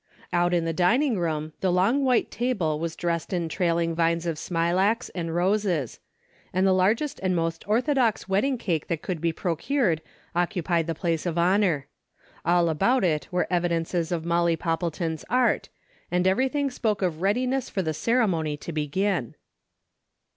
Out in the dining room the long white table was dressed in trailing vines of smilax, and roses ; and the largest and most orthodox wedding cake that could be procured occupied the place of honor. All about it were evi dences of Molly Popple ton's art, and every thing spoke of readiness for the ceremony to begin.